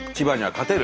勝てる。